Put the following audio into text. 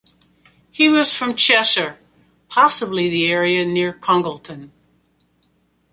He was from Cheshire, possibly the area near Congleton.